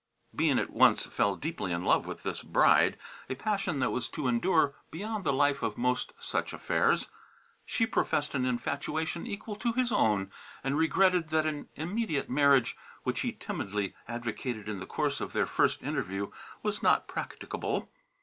Bean at once fell deeply in love with this bride, a passion that was to endure beyond the life of most such affairs. She professed an infatuation equal to his own, and regretted that an immediate marriage, which he timidly advocated in the course of their first interview, was not practicable.